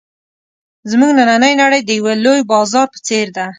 زموږ نننۍ نړۍ د یوه لوی بازار په څېر ده.